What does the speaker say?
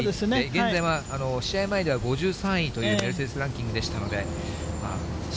現在は、試合前では５３位というランキングでしたので。